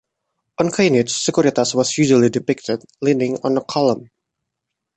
On coinage Securitas was usually depicted leaning on a column.